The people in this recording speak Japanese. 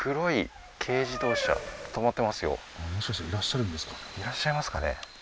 居らっしゃいますかね？